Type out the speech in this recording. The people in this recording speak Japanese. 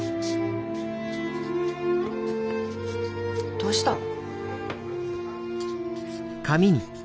どうしたの？